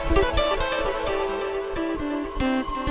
apakah itu keterakitan yang cukup tinggi buat data itu